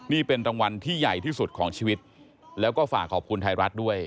นี่เป็นรางวัลที่ใหญ่ที่สุดของชีวิตแล้วก็ฝากขอบคุณไทยรัฐด้วย